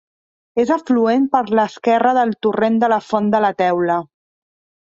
És afluent per l'esquerra del torrent de la Font de la Teula.